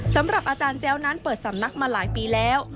สำหรับอาจารย์แจ้วนั้นเปิดสำนักมาหลายปีแล้ว